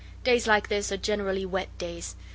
Days like this are generally wet days.